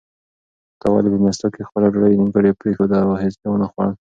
تا ولې په مېلمستیا کې خپله ډوډۍ نیمګړې پرېښوده او هیڅ دې ونه خوړل؟